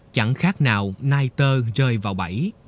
chẳng khác nào niter rơi vào bẫy